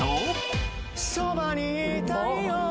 「そばにいたいよ」